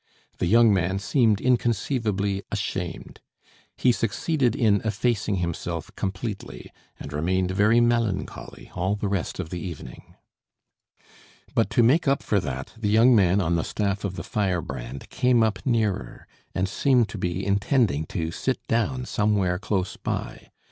The young man seemed inconceivably ashamed. He succeeded in effacing himself completely, and remained very melancholy all the rest of the evening. But to make up for that the young man on the staff of the Firebrand came up nearer, and seemed to be intending to sit down somewhere close by.